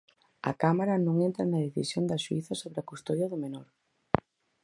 A cámara non entra na decisión da xuíza sobre a custodia do menor.